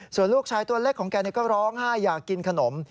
ส่วนลูกชายตัวเล็กของแกก็ร้องไห้อยากกินขนม